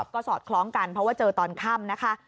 ก็สอดคล้องกันเพราะว่าเจอตอนค่ำนะคะ